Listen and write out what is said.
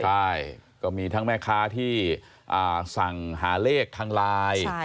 ใช่ก็มีทั้งแม่ค้าที่สั่งหาเลขทางไลน์